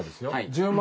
１０万